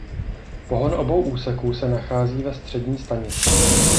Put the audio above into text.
Pohon obou úseků se nachází ve střední stanici.